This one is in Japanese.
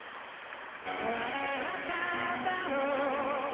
「笑っただろう」